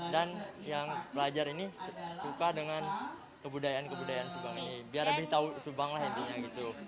dan yang pelajar ini suka dengan kebudayaan kebudayaan subang ini biar lebih tahu subang lah intinya gitu